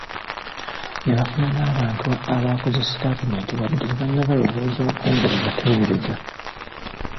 Ne bafuna n’abantu abaakoze sitatimenti wadde tebannabalowoozaako nga be bateebereza.